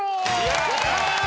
やった！